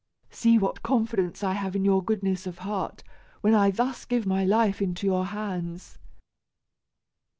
See what confidence I have in your goodness of heart, when I thus give my life into your hands."